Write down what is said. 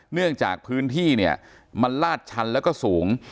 เนื่องจากพื้นที่มันลาดชันและสูง